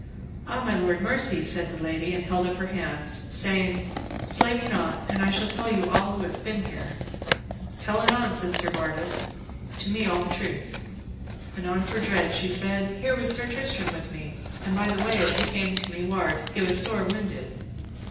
Ah, my lord, mercy, said the lady, and held up her hands, saying: Slay me not, and I shall tell you all who hath been here. Tell anon, said Segwarides, to me all the truth. Anon for dread she said: Here was Sir Tristram with me, and by the way as he came to me ward, he was sore wounded.